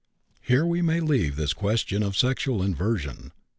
Here we may leave this question of sexual inversion.